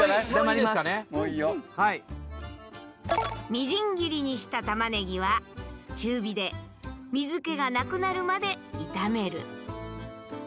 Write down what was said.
みじん切りにしたたまねぎは中火で水けがなくなるまで炒める。